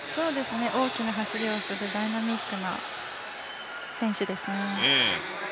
大きな走りをするダイナミックな選手ですね。